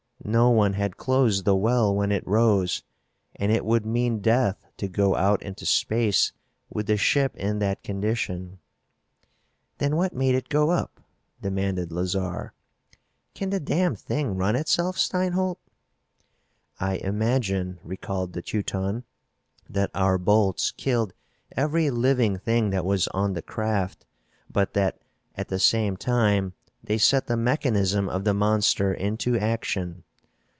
No one had closed the well when it rose, and it would mean death to go out into space with the ship in that condition." "Then what made it go up?" demanded Lazarre. "Can the damn thing run itself, Steinholt?" "I imagine," recalled the Teuton, "that our bolts killed every living thing that was on the craft but that, at the same time, they set the mechanism of the monster into action.